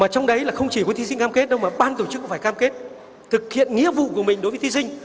trong đấy không chỉ có thí sinh cam kết mà bàn tổ chức cũng phải cam kết thực hiện nghĩa vụ của mình đối với thí sinh